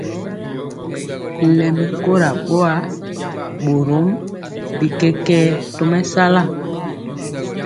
Lɛmi kora boa, borom bi kɛkɛɛ tɔ mesala.